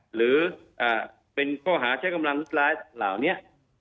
หรือเป็นข้อหาใช้กำลังร้ายเหล่านี้